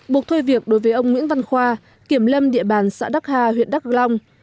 buộc thôi việc đối với ông nguyễn văn khoa kiểm lâm địa bàn xã đắc hà huyện đắk long